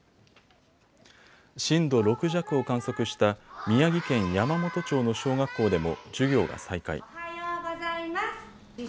震度６弱を観測した宮城県山元町の小学校でも授業が再開。